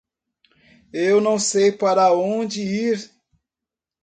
Eu não sei para onde ir.